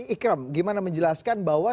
ikram gimana menjelaskan bahwa